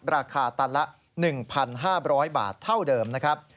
ราคาตันละ๑๕๐๐บาทเท่าเดิมนะครับ